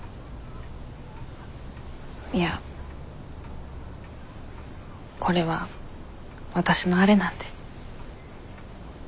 いやこれはわたしのあれなんで。